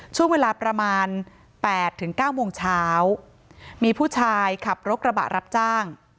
ช่วงเวลาประมาณ๘๙โมงเช้ามีผู้ชายขับรถกระบะรับจ้าง